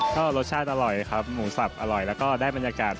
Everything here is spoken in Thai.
ก็รสชาติอร่อยครับหมูสับอร่อยแล้วก็ได้บรรยากาศ